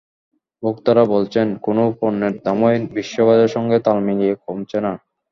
ভোক্তারা বলছেন, কোনো পণ্যের দামই বিশ্ববাজারের সঙ্গে তাল মিলিয়ে কমছে না।